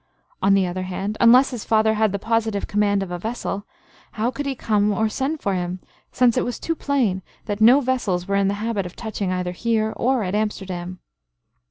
On the other hand, unless his father had the positive command of a vessel, how could he come or send for him, since it was too plain that no vessels were in the habit of touching either here or at Amsterdam?